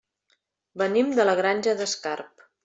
Venim de la Granja d'Escarp.